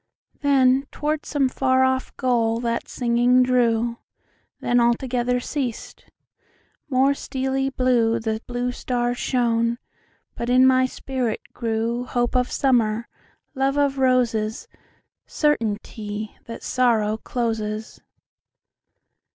Then toward some far off goal that singing drew; Then altogether ceas'd; more steely blueThe blue stars shone; but in my spirit grewHope of Summer, love of Roses, Certainty that Sorrow closes.